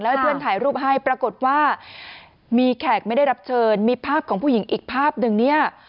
ให้เพื่อนถ่ายรูปให้ปรากฏว่ามีแขกไม่ได้รับเชิญมีภาพของผู้หญิงอีกภาพหนึ่งเนี่ย